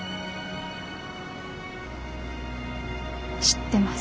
知ってます。